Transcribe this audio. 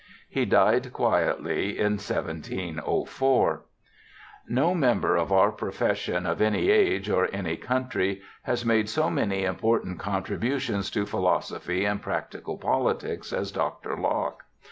He died quietly in 1704. No member of our profession of any age or any country has made so many important contributions to philosophy and practical politics as Dr. Locke.